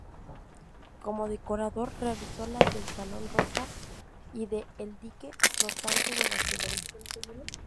Como decorador realizó las del "Salón Rosa" y de "El Dique Flotante" de Barcelona.